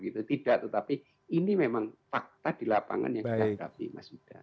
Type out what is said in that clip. tidak tetapi ini memang fakta di lapangan yang ditanggapi mas yuda